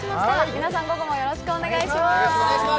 皆さん、午後もよろしくお願いします。